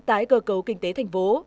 tái cơ cấu kinh tế thành phố